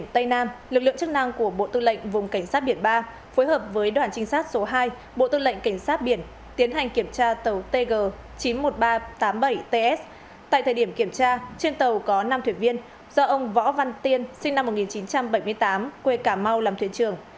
tại thời điểm kiểm tra trên tàu có năm thuyền viên do ông võ văn tiên sinh năm một nghìn chín trăm bảy mươi tám quê cà mau làm thuyền trưởng